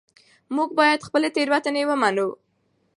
موږ باید خپلې تېروتنې ومنو